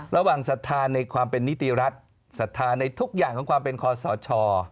ศรัทธาในความเป็นนิติรัฐศรัทธาในทุกอย่างของความเป็นคอสช